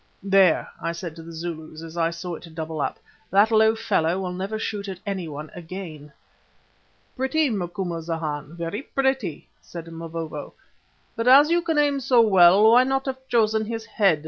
"There," I said to the Zulus as I saw it double up, "that low fellow will never shoot at anyone again." "Pretty, Macumazana, very pretty!" said Mavovo, "but as you can aim so well, why not have chosen his head?